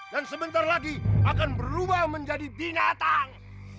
dan sebentar lagi akan berubah menjadi binatang